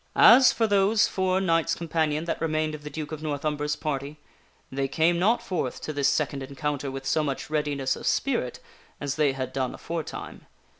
As for those four knights companion that remained of the Duke of North Umber's party, they came not forth to this second encounter with so much readiness of spirit as they had done aforetime.